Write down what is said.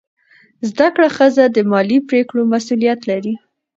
زده کړه ښځه د مالي پریکړو مسؤلیت لري.